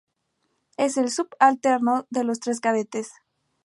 Es el subalterno de los tres cadetes.